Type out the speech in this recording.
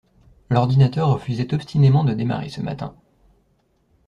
L'ordinateur refusait obstinément de démarrer ce matin.